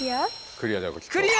クリア？